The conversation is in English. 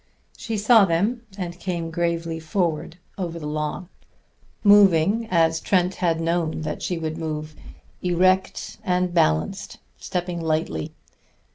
She saw them, and came gravely forward over the lawn, moving as Trent had known that she would move, erect and balanced, stepping lightly.